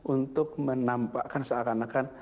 untuk menampakkan seakan akan